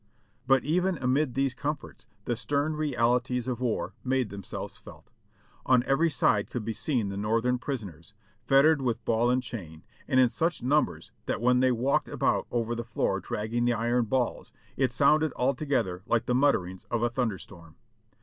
But even amid these comforts the stern realities of war made themselves felt. On every side could be seen the Northern pris oners, fettered with ball and chain; and in such numbers that when they walked about over the floor dragging the iron balls, it sounded altogether like the mutterings of a thunder storm.